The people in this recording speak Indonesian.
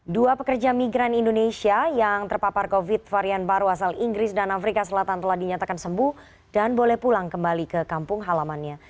dua pekerja migran indonesia yang terpapar covid varian baru asal inggris dan afrika selatan telah dinyatakan sembuh dan boleh pulang kembali ke kampung halamannya